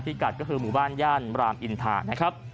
กัดก็คือหมู่บ้านย่านรามอินทานะครับ